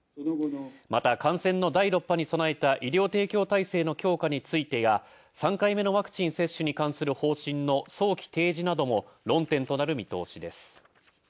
また、感染の「第６波」に備えた医療提供体制の強化についてや３回目接種に関する方針の早期提示なども論点となる見通しです。